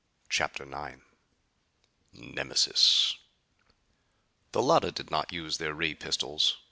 CHAPTER IX Nemesis The Llotta did not use their ray pistols.